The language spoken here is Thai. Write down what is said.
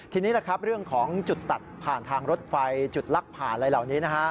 ทีนี้เรื่องของจุดตัดผ่านทางรถไฟจุดลักผ่านอะไรเหล่านี้นะฮะ